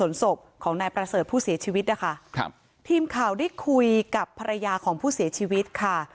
ส่วนศพของนายประเสริฐผู้เสียชีวิตนะคะครับทีมข่าวได้คุยกับภรรยาของผู้เสียชีวิตค่ะ